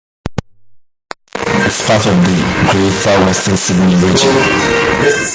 It is part of the Greater Western Sydney region.